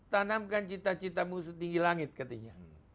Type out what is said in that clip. tanamkan cita cita mu setinggi langit katanya